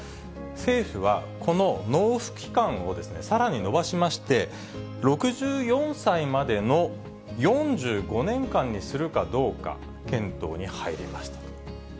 政府はこの納付期間をさらに延ばしまして、６４歳までの４５年間にするかどうか、検討に入りましたと。